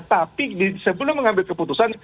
tapi sebelum mengambil keputusan